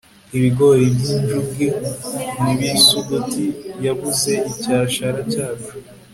ibigori byinjugu nibisuguti yabuze icyashara cyacu